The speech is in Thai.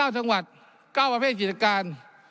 ๒๙ชังวรรติ๙ประเภทกิจการ